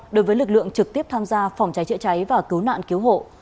đối với lực lượng trực tiếp tham gia phòng cháy chữa cháy và cứu nạn cứu hộ